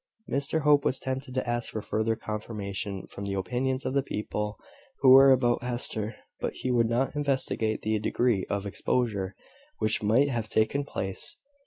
Mr Hope was tempted to ask for further confirmation, from the opinions of the people who were about Hester; but he would not investigate the degree of exposure which might have taken place.